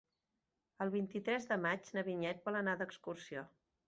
El vint-i-tres de maig na Vinyet vol anar d'excursió.